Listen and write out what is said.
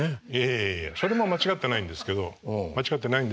いやいやそれも間違ってないんですけど間違ってないんですけど。